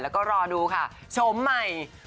แล้วก็รอดูค่ะชมใหม่